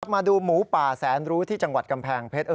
มาดูหมูป่าแสนรู้ที่จังหวัดกำแพงเพชร